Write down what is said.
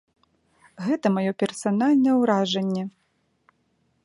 Гэта маё персанальнае ўражанне.